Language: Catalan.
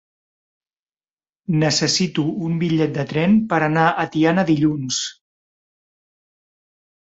Necessito un bitllet de tren per anar a Tiana dilluns.